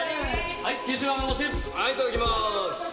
はいいただきます！